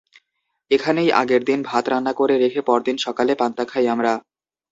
এখানেই আগের দিন ভাত রান্না করে রেখে পরদিন সকালে পান্তা খাই আমরা।